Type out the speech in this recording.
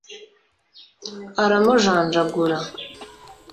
aramujanjagura